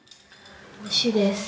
おいしいです！